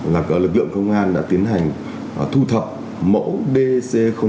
là cả lực lượng công an đã tiến hành thu thập mẫu dc một